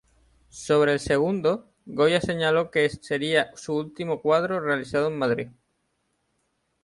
Sobre el segundo, Goya señaló que sería su último cuadro realizado en Madrid.